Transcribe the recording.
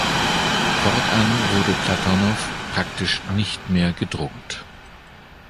Fortan wurde Platonow praktisch nicht mehr gedruckt.